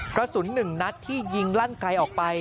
กระสุน๑นัดที่ยิงลั่นไกลออกไป